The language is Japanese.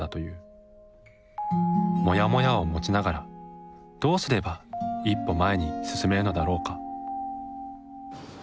モヤモヤを持ちながらどうすれば一歩前に進めるのだろうか。